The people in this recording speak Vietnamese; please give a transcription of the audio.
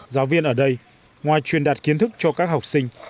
giáo viên ở đây ngoài truyền đạt kiến thức cho các học sinh